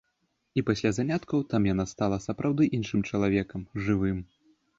І пасля заняткаў там яна стала сапраўды іншым чалавекам, жывым.